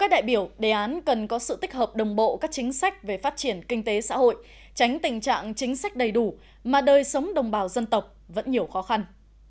đại biểu đề án cần có sự tích hợp đồng bộ các chính sách về phát triển kinh tế xã hội tránh tình trạng chính sách đầy đủ mà đời sống đồng bào dân tộc vẫn nhiều khó khăn